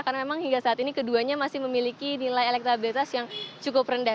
karena memang hingga saat ini keduanya masih memiliki nilai elektabilitas yang cukup rendah